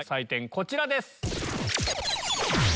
こちらです。